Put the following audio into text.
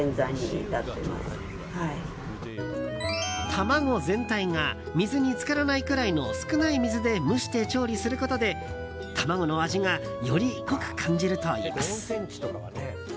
卵全体が水に浸からないくらいの少ない水で蒸して調理することで卵の味がより濃く感じるといいます。